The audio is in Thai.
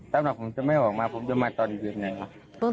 ตั้งแต่ผมจะไม่ออกมาผมจะมาตอนอีกเวลาไหน